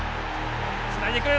つないでくる。